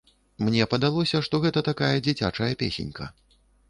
Мне падалося, што гэта такая дзіцячая песенька.